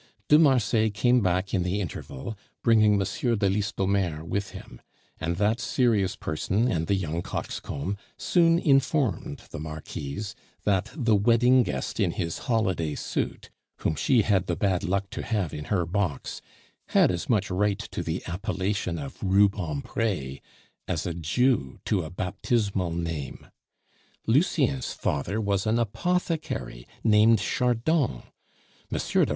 De Marsay came back in the interval, bringing M. de Listomere with him; and that serious person and the young coxcomb soon informed the Marquise that the wedding guest in his holiday suit, whom she had the bad luck to have in her box, had as much right to the appellation of Rubempre as a Jew to a baptismal name. Lucien's father was an apothecary named Chardon.